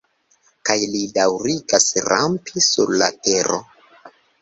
Kaj li daŭrigas rampi sur la tero.